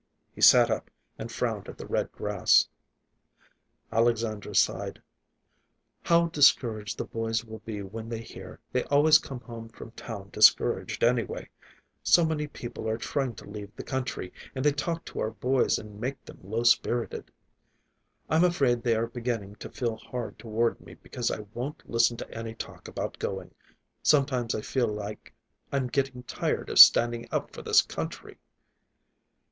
He sat up and frowned at the red grass. Alexandra sighed. "How discouraged the boys will be when they hear. They always come home from town discouraged, anyway. So many people are trying to leave the country, and they talk to our boys and make them low spirited. I'm afraid they are beginning to feel hard toward me because I won't listen to any talk about going. Sometimes I feel like I'm getting tired of standing up for this country."